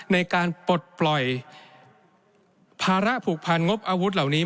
ในการปลดปล่อยภาระผูกพันงบอาวุธเหล่านี้